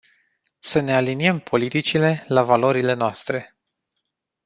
Să ne aliniem politicile la valorile noastre.